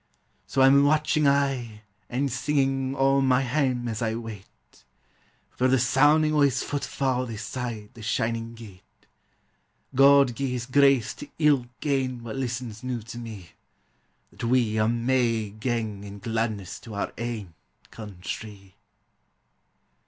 So I 'm watching aye, an' singin' o' my hame as I wait, For the soun'ing o' his footfa' this side the shin ing gate ; God gie his grace to ilk ane wha listens noo to me, That we a' may gang in gladness to our ain countree.